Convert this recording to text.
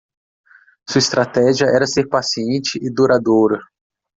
Sua estratégia era ser paciente e duradoura.